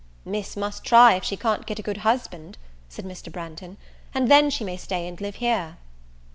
"Miss must try if she can't get a good husband," said Mr. Branghton, "and then she may stay and live here."